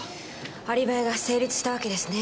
アリバイが成立したわけですね。